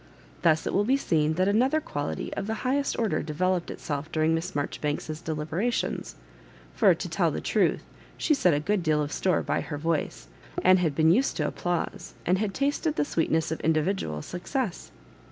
Thus it will be seen that another quality of the highest order developed itself dur ing Miss Marjorib&nks's deliberations ; for, to tell the truth, she set a good deal of store by her voice, and had been used to applause, and had tasted the sweetness of individual success.